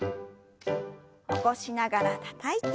起こしながらたたいて。